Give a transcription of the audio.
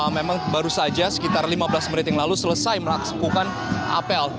memang baru saja sekitar lima belas menit yang lalu selesai melakukan apel